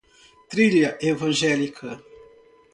Trilha evangélica